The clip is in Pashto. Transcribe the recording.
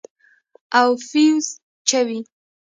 او فيوز چوي.